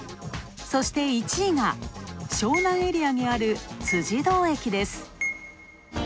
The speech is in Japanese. そして、１位が湘南エリアにある辻堂駅です。